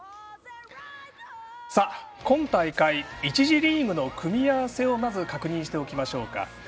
今大会１次リーグの組み合わせを確認しておきましょうか。